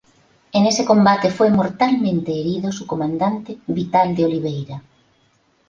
En ese combate fue mortalmente herido su comandante Vital de Oliveira.